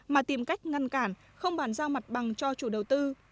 mà tìm cách ngăn cản không bàn giao mặt bằng cho chủ đầu tư